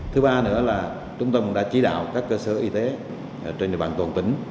thứ ba nữa là trung tâm đã chỉ đạo các cơ sở y tế trên địa bàn toàn tỉnh